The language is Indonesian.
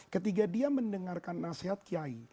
ketika dia mendengarkan nasihat kiai